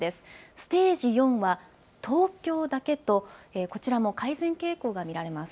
ステージ４は東京だけと、こちらも改善傾向が見られます。